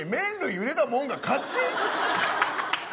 茹でたもん勝ち。